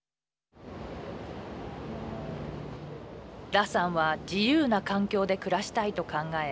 羅さんは自由な環境で暮らしたいと考え